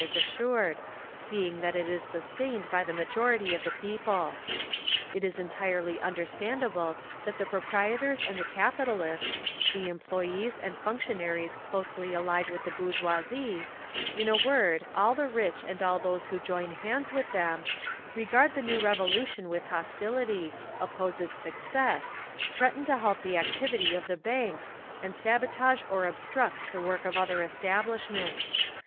is assured, seeing that it is sustained by the majority of the people. "It is entirely understandable that the proprietors and the capitalists, the employees and functionaries closely allied with the bourgeoisic—in a word, all the rich and all those who join hands with them—regard the new Revolution with hostility, oppose its success, threaten to halt the activity of the banks, and sabotage or obstruct the work of other establishments….